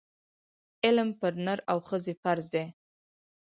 علم پر نر او ښځي فرض دی